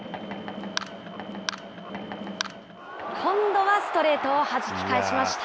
今度はストレートをはじき返しました。